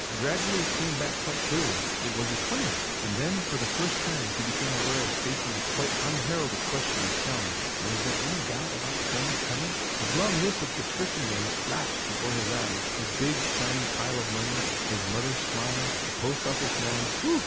Gradually it came back quite clearly. It was the twentieth. And then, for the first time, he became aware of facing a quite unheralded question of challenge. Was there any doubt about the pony's coming? His long list of subscription names flashed before his eyes, his big, shining pile of money, his mother's smile, the post office man's 'whew!'